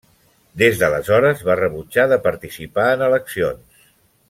Des d'aleshores va rebutjar de participar en eleccions.